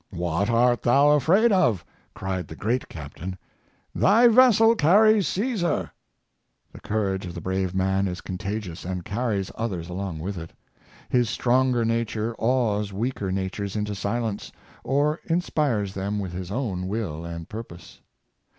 ^' What art thou afraid of.^'' cried the great captain; '^ thy vessel carries 4(30 Energy and Perseverance. Caesar!" The courage of the brave man is contagious, and carries others along with it. His stronger nature awes weaker natures into silence, or inspires them with his own will and purpose.